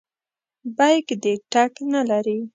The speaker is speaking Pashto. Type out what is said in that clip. بیک دې ټک نه لري.